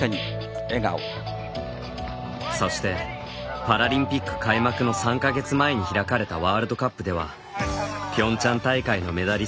そして、パラリンピック開幕の３か月前に開かれたワールドカップでは